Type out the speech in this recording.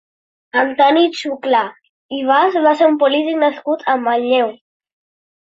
Antoni Xuclà i Bas va ser un polític nascut a Manlleu.